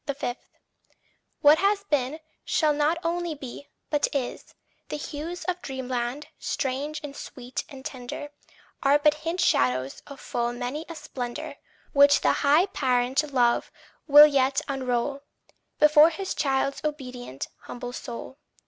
5. What has been, shall not only be, but is. The hues of dreamland, strange and sweet and tender Are but hint shadows of full many a splendour Which the high Parent love will yet unroll Before his child's obedient, humble soul.